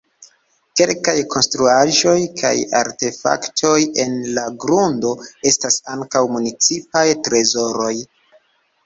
Kelkaj konstruaĵoj kaj artefaktoj en la grundo estas ankaŭ municipaj trezoroj.